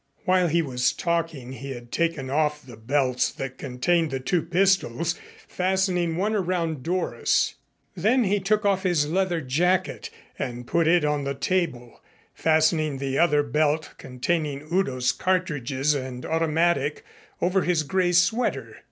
While he was talking he had taken off the belts that contained the two pistols, fastening one around Doris. Then he took off his leather jacket and put it on the table, fastening the other belt containing Udo's cartridges and automatic over his gray sweater.